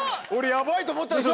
ヤバいと思ったんです